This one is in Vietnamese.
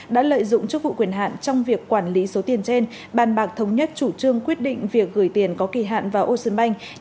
đã lợi dụng chức vụ quyền hạn trong việc quản lý số tiền trên bàn bạc thống nhất chủ trương quyết định việc gửi tiền có kỳ hạn vào ocean bank